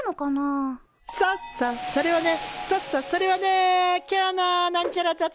そそそれはねそそそれはねえ。